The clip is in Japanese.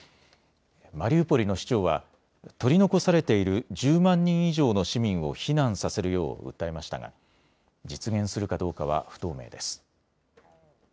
マリウポリの市長は取り残されている１０万人以上の市民を避難させるよう訴えましたが実現するかどうかは不透明です。